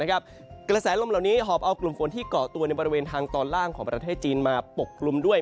กระแสลมเหล่านี้หอบเอากลุ่มฝนที่เกาะตัวในบริเวณทางตอนล่างของประเทศจีนมาปกกลุ่มด้วย